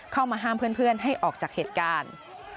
เข้ามาห้ามเพื่อนให้ออกจากเหตุการณ์